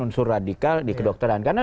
unsur radikal di kedokteran karena